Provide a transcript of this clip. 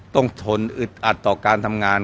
ทนอึดอัดต่อการทำงาน